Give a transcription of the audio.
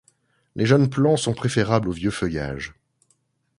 Les jeunes plants sont préférables aux vieux feuillages.